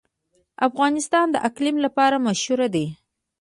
افغانستان د اقلیم لپاره مشهور دی.